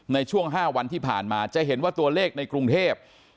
ในช่วง๕วันที่ผ่านมาจะเห็นว่าตัวเลขในกรุงเทพ